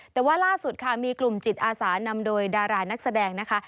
แต่ว่าล่าสุดค่ะมีกลุ่มจิตอาสานำโดยดารานักแสดงนะคะ